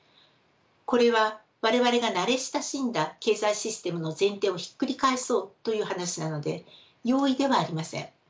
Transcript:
これは我々が慣れ親しんだ経済システムの前提をひっくり返そうという話なので容易ではありません。